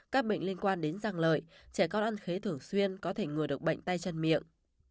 các bệnh liên quan đến răng lợi trẻ con ăn khế thường xuyên có thể ngừa được bệnh tay chân miệng